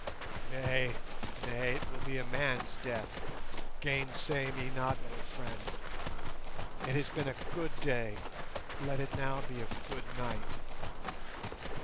Nay, nay, it will be a man's death: gainsay me not, old friend. It has been a good day, let it now be good night.